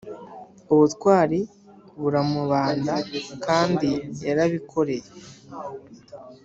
ubutwari buramubanda kandi yarabikoreye